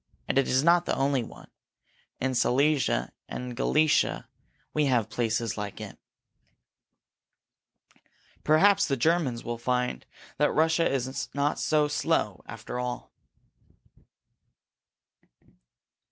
And it is not the only one. In Silesia and in Galicia we have places like it." "Perhaps the Germans will find that Russia is not so slow after all!"